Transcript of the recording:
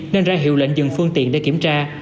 nên ra hiệu lệnh dừng phương tiện để kiểm tra